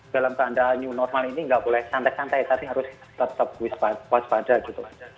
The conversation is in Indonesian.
dalam tanda new normal ini nggak boleh santai santai tapi harus tetap waspada gitu